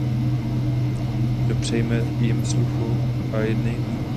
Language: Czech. Dopřejme jim sluchu a jednejme.